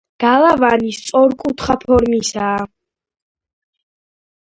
გალავანი სწორკუთხა ფორმისაა.